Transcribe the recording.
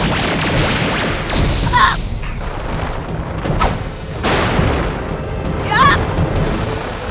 makanya orang kita harus membisa disepati